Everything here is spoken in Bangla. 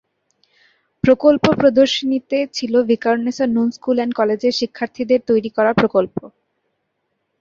প্রকল্প প্রদর্শনীতে ছিল ভিকারুন্নিসা নূন স্কুল অ্যান্ড কলেজের শিক্ষার্থীদের তৈরি করা প্রকল্প।